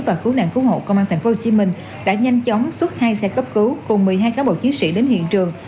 và cứu nạn cứu hộ công an tp hcm đã nhanh chóng xuất hai xe cấp cứu cùng một mươi hai cán bộ chiến sĩ đến hiện trường